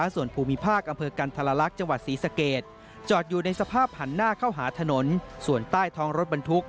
ส่วนด้านหน้าเข้าหาถนนส่วนใต้ท้องรถบรรทุก